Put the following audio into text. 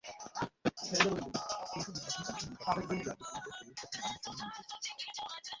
কিন্তু নির্বাচন কমিশন নির্বাচনের আগে রাজীব কুমারকে সরিয়ে সেখানে আনেন সৌমেন মিত্রকে।